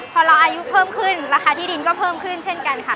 พอเราอายุเพิ่มขึ้นราคาที่ดินก็เพิ่มขึ้นเช่นกันค่ะ